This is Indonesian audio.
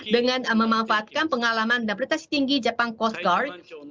dengan memanfaatkan pengalaman dan peritas tinggi jepang coast guard